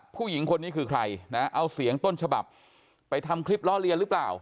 ผู้หญิงคนนี้คือใครนะเอาเสียงต้นฉบับไปทำคลิปล้อเลียนหรือเปล่า